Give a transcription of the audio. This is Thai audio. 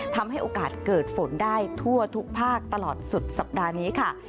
ทำให้โอกาสเกิดฝนได้ทั่วทุกภาคตลอดสุดสัปดาห์นี้ค่ะ